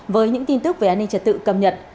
với những tin tức về an ninh trật tự cầm nhận